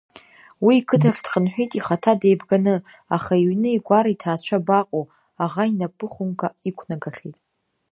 Уи иқыҭахь дхынҳәит ихаҭа деибганы, аха иҩны, игәара иҭаацәа абаҟоу, аӷа инапы хәымга иқәнагахьеит.